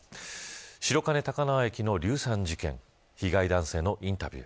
白金高輪駅の硫酸事件被害男性のインタビュー。